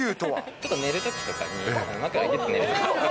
ちょっと寝るときとかに枕ぎ